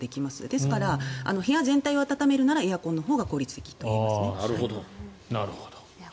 ですから部屋全体を暖めるならエアコンのほうが効率的といえますね。